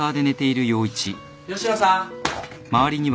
吉野さん